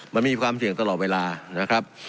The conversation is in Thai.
มันมีความเสี่ยงตลอดเวลานะครับ